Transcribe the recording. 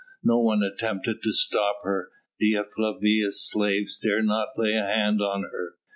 No one attempted to stop her. Dea Flavia's slaves dared not lay a hand on her.